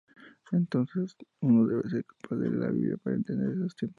Entonces, uno debe ser capaz de leer la Biblia para entender esos tiempos.